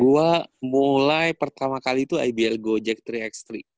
gua mulai pertama kali tuh ibl gojek tiga x tiga